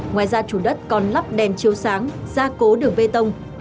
ngoài ra chủ đất còn lắp đèn chiếu sáng ra cố đường bê tông